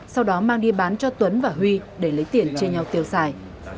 sau đó mang đi bán cho tuấn và huy để lấy tiền chia nhau tiêu xài